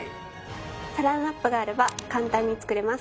サランラップがあれば簡単に作れます。